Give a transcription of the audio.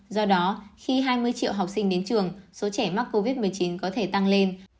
do đó khi hai mươi triệu học sinh đến trường số trẻ mắc covid một mươi chín có thể tăng lên